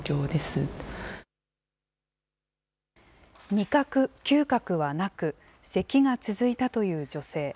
味覚、嗅覚はなく、せきが続いたという女性。